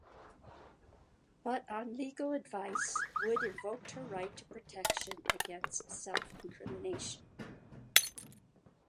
But, on legal advice, Wood invoked her right to protection against self-incrimination.